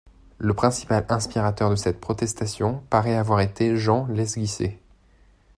Le principal inspirateur de cette protestation paraît avoir été Jean Lesguisé.